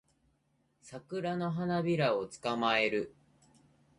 サクラの花びらを捕まえる